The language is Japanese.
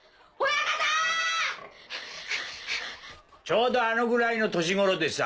ちょうどあのぐらいの年頃でさ。